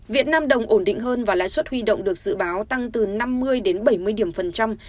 việt nam đồng ổn định hơn và lãi suất huy động được dự báo tăng từ năm mươi đến bảy mươi điểm phần trăm